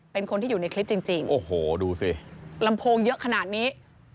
เป็นคนที่อยู่ในคลิปจริงโอ้โหดูสิลำโพงเยอะขนาดนี้